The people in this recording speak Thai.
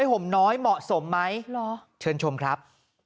ห่มน้อยเหมาะสมไหมเชิญชมครับ